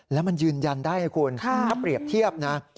แล้วมันยืนยันได้นะคุณถ้าเปรียบเทียบนะ